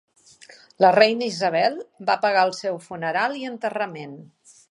La reina Isabel va pagar el seu funeral i enterrament.